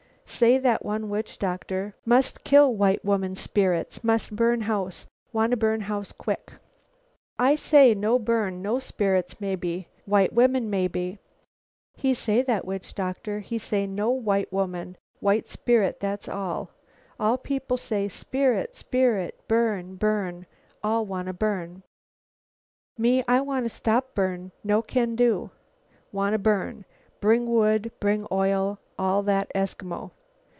Say that one witch doctor, 'Must kill white woman spirits; must burn house. Wanna burn house quick.' "I say, 'No burn; no spirits mebbe. White women mebbe.' "He say, that witch doctor, he say, 'No white woman, white spirit, that's all.' All people say, 'Spirit! Spirit! Burn! Burn!' All wanna burn. "Me, I wanna stop burn. No can do. Wanna burn. Bring wood, bring oil, all that Eskimo.